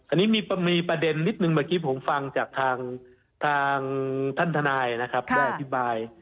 อันนี้มีประเด็นนิดนึงเมื่อกี้ผมฟังจากทางท่านทนายนะครับได้อธิบาย